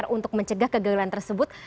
untuk mencegah kegagalan tersebut